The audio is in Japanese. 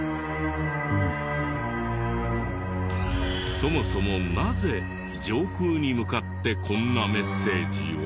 そもそもなぜ上空に向かってこんなメッセージを？